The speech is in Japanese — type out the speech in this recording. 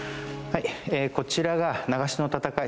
こちらが長篠の戦い